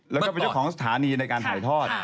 แล้วก็เป็นเจ้าของสถานีในการถ่ายทอด